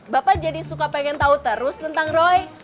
bapak jadi suka pengen tahu terus tentang roy